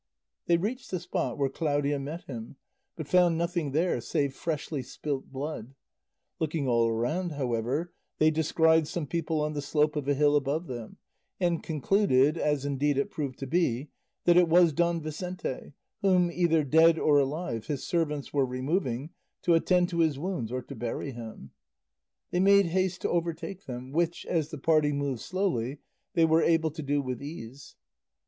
They reached the spot where Claudia met him, but found nothing there save freshly spilt blood; looking all round, however, they descried some people on the slope of a hill above them, and concluded, as indeed it proved to be, that it was Don Vicente, whom either dead or alive his servants were removing to attend to his wounds or to bury him. They made haste to overtake them, which, as the party moved slowly, they were able to do with ease.